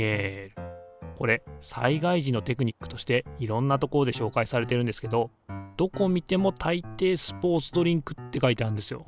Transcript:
これ災害時のテクニックとしていろんな所で紹介されてるんですけどどこ見てもたいていスポーツドリンクって書いてあるんですよ。